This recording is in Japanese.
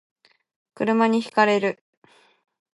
車に轢かれる